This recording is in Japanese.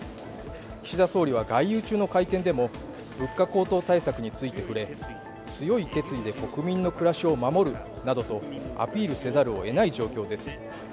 岸田総理は外遊中の会見でも、物価高騰対策について触れ強い決意で国民の暮らしを守るなどとアピるせざるをえない状況です。